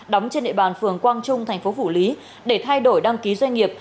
đóng trên địa bàn phường quang trung thành phố phủ lý để thay đổi đăng ký doanh nghiệp